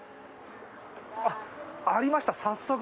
あっありました早速！